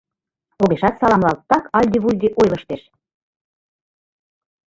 Огешат саламлалт, так алди-вулди ойлыштеш.